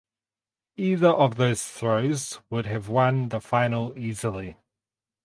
Either of those throws would have won the final easily.